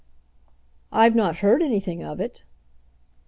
"I've not heard anything of it."